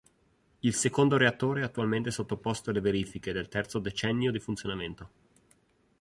Il secondo reattore è attualmente sottoposto alle verifiche del terzo decennio di funzionamento.